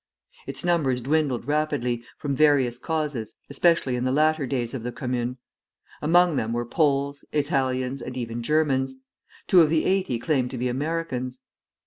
Its numbers dwindled rapidly, from various causes, especially in the latter days of the Commune. Among them were Poles, Italians, and even Germans; two of the eighty claimed to be Americans.